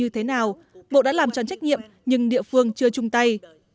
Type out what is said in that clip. thế nào bộ đã làm cho trách nhiệm nhưng địa phương chưa chung tay